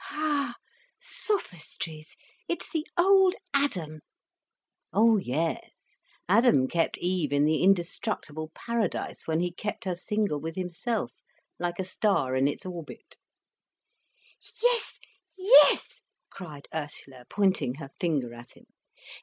"Ah—! Sophistries! It's the old Adam." "Oh yes. Adam kept Eve in the indestructible paradise, when he kept her single with himself, like a star in its orbit." "Yes—yes—" cried Ursula, pointing her finger at him.